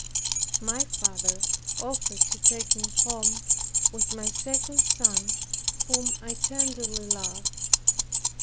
My father offered to take me home, with my second son, whom I tenderly loved.